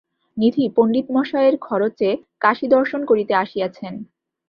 নিধি পণ্ডিতমহাশয়ের খরচে কাশী দর্শন করিতে আসিয়াছেন।